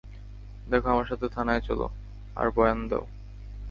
দেখো, আমার সাথে থানায় চলো, আর বয়ান দাও।